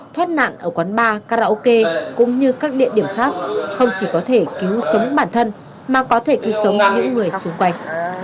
thoát nạn ở quán bar karaoke cũng như các địa điểm khác không chỉ có thể cứu sống bản thân mà có thể cứu sống cho những người xung quanh